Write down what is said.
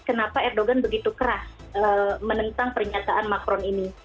kenapa erdogan begitu keras menentang pernyataan macron ini